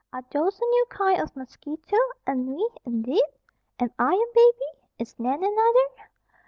"Are those a new kind of mosquito? Ennui, indeed! Am I a baby? Is Nan another?"